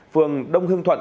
phường đông hưng thuận